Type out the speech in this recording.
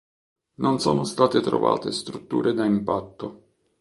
Non sono state trovate strutture da impatto.